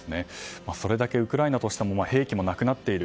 それだけウクライナとしても兵器もなくなっている。